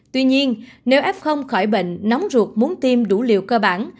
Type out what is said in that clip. tuy nhiên nếu f khỏi bệnh nóng ruột muốn tiêm đủ liều cơ bản